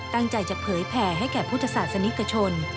ตั้งใจจะเผยแผ่ให้แก่พุทธศาสนิกชน